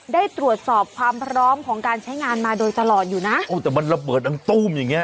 ได้ตรวจสอบความพร้อมของการใช้งานมาโดยตลอดอยู่นะโอ้แต่มันระเบิดดังตู้มอย่างเงี้